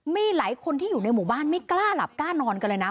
มีหลายคนที่อยู่ในหมู่บ้านไม่กล้าหลับกล้านอนกันเลยนะ